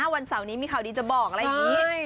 วันเสาร์นี้มีข่าวดีจะบอกอะไรอย่างนี้